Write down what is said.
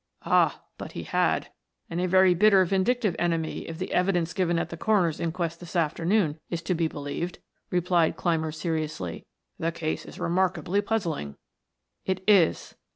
"Ah, but he had; and a very bitter vindictive enemy, if the evidence given at the coroner's inquest this afternoon is to be believed," replied Clymer seriously. "The case is remarkably puzzling." "It is."